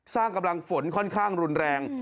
สร้างกำลังฝนค่อนข้างรุนแรง